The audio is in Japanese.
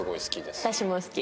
私も好き。